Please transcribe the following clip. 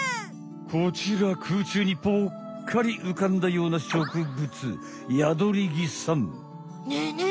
こちら空中にぽっかりうかんだような植物ねえね